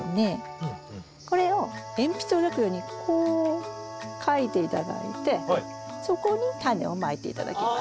これを鉛筆で描くようにこう描いて頂いてそこにタネをまいて頂きます。